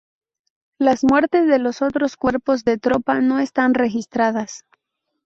Las muertes de los otros cuerpos de tropa no están registradas.